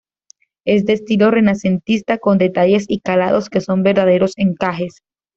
Es de estilo renacentista con detalles y calados que son verdaderos encajes.